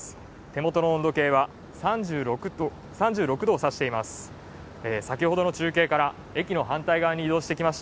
手元の温度計は３６度を指しています。